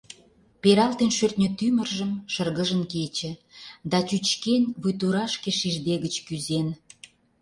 Пералтен шӧртньӧ тӱмыржым, шыргыжын кече Да, чӱчкен, вуй турашке шиждегыч кӱзен.